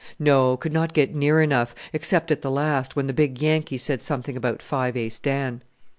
"No; could not get near enough, except at the last, when the big Yankee said something about Five Ace Dan."